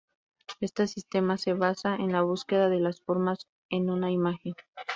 Este sistema se basa en la búsqueda de las formas en una imagen.